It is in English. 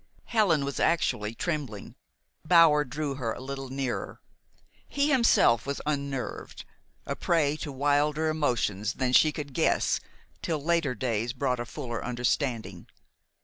Helen was actually trembling. Bower drew her a little nearer. He himself was unnerved, a prey to wilder emotions than she could guess till later days brought a fuller understanding.